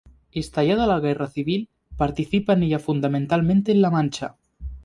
Estallada la Guerra Civil, participa en ella fundamentalmente en La Mancha.